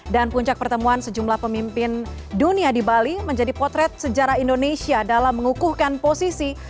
dan puncak pertemuan sejumlah pemimpin dunia di bali menjadi potret sejarah indonesia dalam mengukuhkan posisi